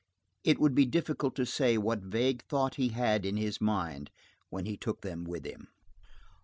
It would be difficult to say what vague thought he had in his mind when he took them with him.